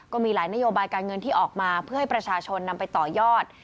ก็มีหลายนโยบายการเงินที่ออกมาเพื่อให้ประชาชนนำไปต่อยอด